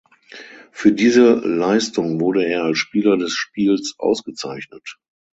Für diese Leistung wurde er als Spieler des Spiels ausgezeichnet.